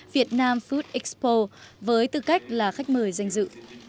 việt nam food expo với tư cách là khách mời danh dự